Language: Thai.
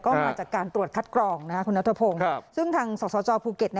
ก็มาจากการตรวจคัดกรองนะครับคุณนัททพงษ์ครับซึ่งทางสจภูเก็ตน่ะ